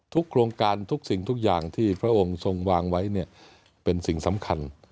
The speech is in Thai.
โครงการทุกสิ่งทุกอย่างที่พระองค์ทรงวางไว้เนี่ยเป็นสิ่งสำคัญ